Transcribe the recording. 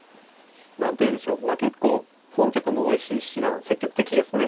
何というんでしょう結構本局の大石七段積極的ですね。